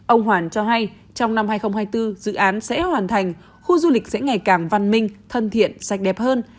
ông hoàn cho hay trong năm hai nghìn hai mươi bốn dự án sẽ hoàn thành khu du lịch sẽ ngày càng văn minh thân thiện sạch đẹp hơn